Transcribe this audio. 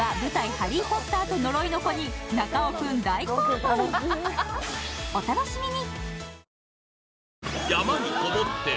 「ハリー・ポッターと呪いの子」に中尾君大興奮お楽しみに！